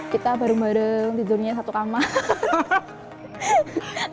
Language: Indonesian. kita bareng bareng tidurnya satu kamar